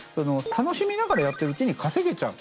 楽しみながらやってるうちに稼げちゃう。